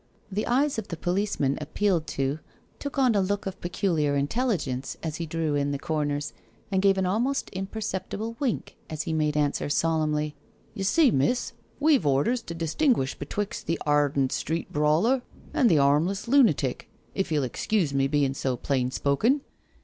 The eyes of the policeman appealed to took on a look of peculiar intelligence as he drew in the corners, and gave an almost impercep tible wink as he made answer solemnly: " Ye see, miss, we've orders to distinguish betwixt the 'ardened street brawler an *the 'armless lunatic, if you'll excuse me bein' so plain spoken."